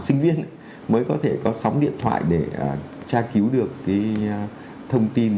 sinh viên mới có thể có sóng điện thoại để tra cứu được thông tin